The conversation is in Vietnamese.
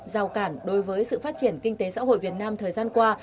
rào cản đối với sự phát triển kinh tế xã hội việt nam thời gian qua